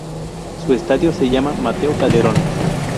Su estadio se llama Mateo Calderón.